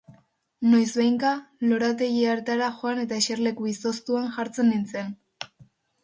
Noizbehinka, lorategi hartara joan eta eserleku izoztuan jartzen nintzen.